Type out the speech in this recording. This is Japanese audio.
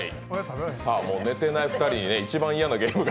寝てない２人に一番嫌なゲームが。